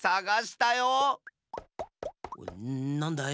なんだい？